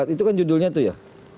itu kan judulnya itu ya